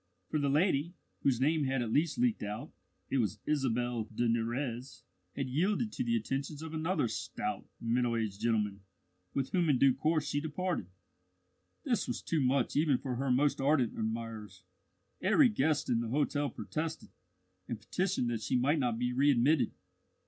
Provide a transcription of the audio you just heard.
For the lady, whose name had at last leaked out it was Isabelle de Nurrez had yielded to the attentions of another stout, middle aged gentleman, with whom in due course she departed. This was too much even for her most ardent admirers. Every guest in the hotel protested, and petitioned that she might not be readmitted.